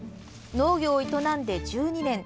農業を営んで１２年。